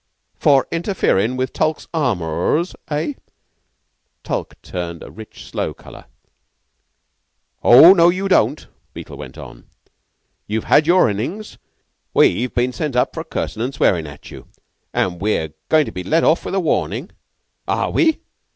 "For interferin' with Tulke's amours, eh?" Tulke turned a rich sloe color. "Oh, no, you don't!" Beetle went on. "You've had your innings. We've been sent up for cursing and swearing at you, and we're goin' to be let off with a warning! Are we?